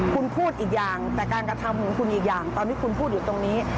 คุณพูดอีกอย่างแต่การกระทำของคุณอีกอย่างตอนที่คุณพูดอยู่ตรงนี้